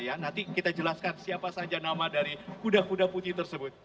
nanti kita jelaskan siapa saja nama dari kuda kuda putih tersebut